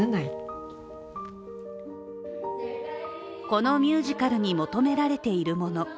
このミュージカルに求められているもの。